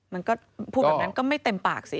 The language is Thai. มันก็พูดแบบนั้นก็ไม่เต็มปากสิ